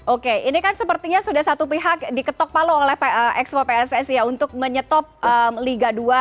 oke ini kan sepertinya sudah satu pihak diketok palu oleh expo pssi untuk menyetop liga dua